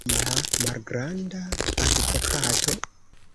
tia malgranda advokato?